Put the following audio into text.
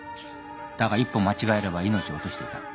だが一歩間違えれば命を落としていた。